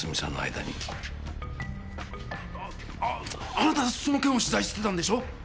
ああなたその件を取材してたんでしょ？